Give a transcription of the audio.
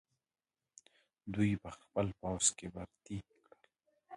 دوی یې په خپل پوځ کې برتۍ کړل.